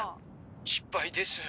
「失敗です。